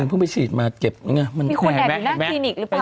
ผมเพิ่งไปฉีดมาเก็บมีคนแอบอยู่หน้าทีนิกหรือเปล่า